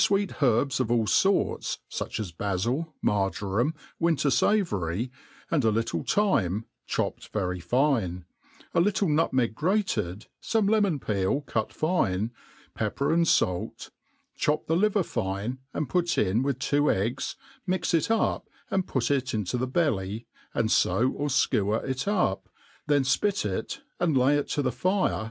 eet herbs of all forts, fuch as bafil, rnarjoram, win yr favpry, and a little thyme, chopped very'fiiie, a little nut meg^ grated, fqoie lemon peel cu^'fine, pepper and fait, chop the liyer fine, and put in with two e^gs, mix it up, and put it i^to the b^lly, and few or ikewer it Up*; then fpit it and'lay it to the' fire.